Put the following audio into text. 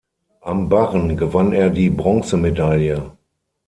Am Barren gewann er die Bronzemedaille.